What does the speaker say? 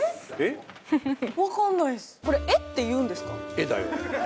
絵だよ。